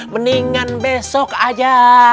mendingan besok aja